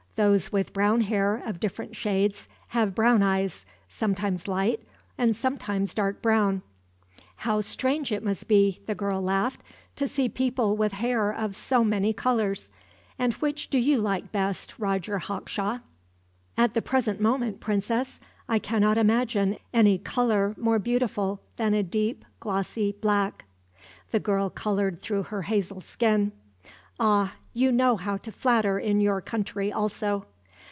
Those with brown hair of different shades have brown eyes, sometimes light and sometimes dark brown." "How strange it must be," the girl laughed, "to see people with hair of so many colors! And which do you like best, Roger Hawkshaw?" "At the present moment, Princess, I cannot imagine any color more beautiful than a deep, glossy black." The girl colored through her hazel skin. "Ah, you know how to flatter in your country, also!"